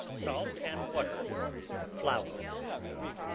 Salt and water, flour.